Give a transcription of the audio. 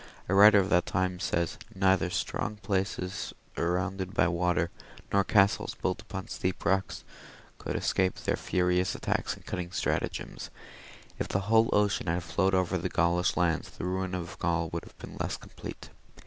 A writer of that time says :—" Neither strong places surrounded by water, nor castles built upon steep rocks, could escape their furious attacks and cunning stratagems. 16 CONQUEST OF GAUL BY THE FRANKS. [cH. If the whole ocean had flowed over the Gaulish lands, the ruin of Gaul would have been less complete."